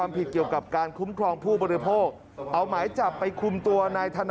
เป็นหมายจับนะครับ